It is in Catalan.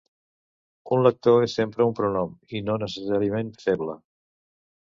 Un lector és sempre un pronom, i no necessàriament feble.